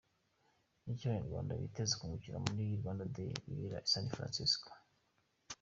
Icyo Abanyarwanda biteze kungukira muri Rwanda Day ibera i San Francisco.